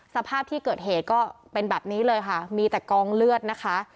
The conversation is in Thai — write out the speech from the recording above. สภาพที่เกิดเหตุก็เป็นแบบนี้เลยค่ะมีแต่กองเลือดนะคะ